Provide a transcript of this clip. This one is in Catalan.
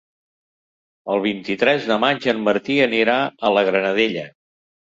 El vint-i-tres de maig en Martí anirà a la Granadella.